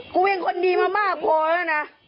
กูเป็นคนดีมามากพอแล้วนะ